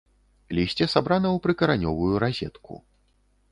Лісце сабрана ў прыкаранёвую разетку.